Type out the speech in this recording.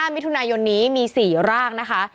มิถุนายนนี้มี๔ร่างนะคะ